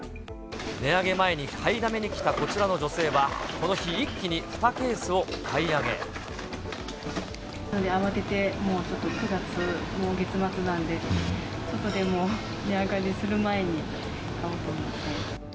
値上げ前に買いだめに来たこちらの女性は、この日、慌ててもうちょっと９月月末なんで、ちょっとでも値上がりする前に買おうと思って。